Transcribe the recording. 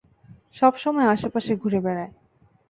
সবসময় আশেপাশে ঘুরে বেড়ায়।